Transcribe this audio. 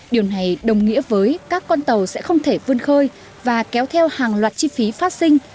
điều này đồng nghĩa với các con tàu sẽ không thể vươn khơi và kéo theo hàng loạt chi phí phát sinh